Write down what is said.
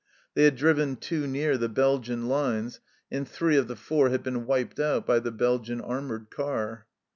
They had driven too near the Belgian lines, and three of the four had been wiped out by the Belgian armoured car.